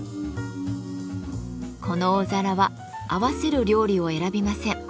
この大皿は合わせる料理を選びません。